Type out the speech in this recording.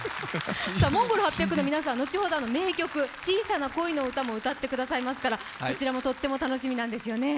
ＭＯＮＧＯＬ８００の皆さん、後ほど名曲、「小さな恋のうた」も歌ってくださいますからこちらもとっても楽しみなんですよね。